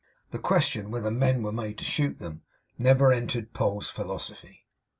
The question, whether men were made to shoot them, never entered into Poll's philosophy.